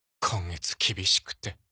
今月厳しくて。